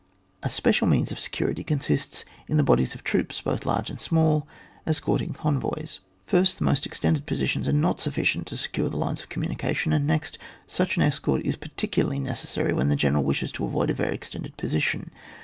A special means of security consists in the bodies of troops, both small and large, escorting convoys. First, the most ex tended positions are not sufficient to secure the lines of communication, and next, such an escort is particularly neces sary when the general wishes to avoid a very extended position.